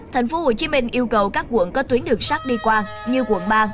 tp hồ chí minh yêu cầu các quận có tuyến đường sát đi qua như quận ba